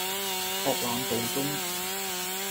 博覽道中